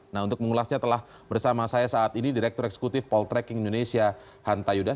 nah untuk mengulasnya telah bersama saya saat ini direktur eksekutif poltreking indonesia hanta yudan